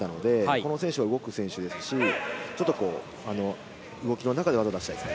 この選手は動く選手ですし動きの中で技を出したいです。